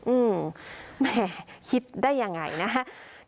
อืมแหมคิดได้ยังไงนะฮะ